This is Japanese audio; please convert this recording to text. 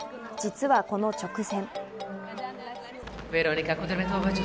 実はこの直前。